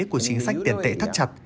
của chính sách tiền tệ thắt chặt